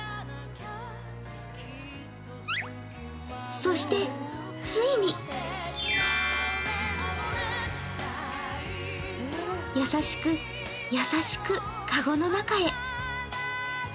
そして、ついに優しく、優しく、かごの中へ。